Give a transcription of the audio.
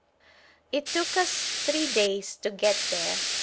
It took us three days to get there.